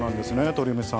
鳥海さん。